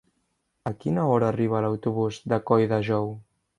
A quina hora arriba l'autobús de Colldejou?